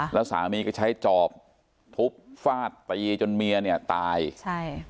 แล้วสามีก็ใช้จอบทุบฟาดตีจนเมียเนี่ยตายใช่